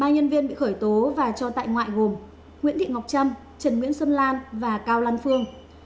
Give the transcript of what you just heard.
ba nhân viên bị khởi tố và cho tại ngoại gồm nguyễn thị ngọc trâm trần nguyễn xuân lan và cao lan phương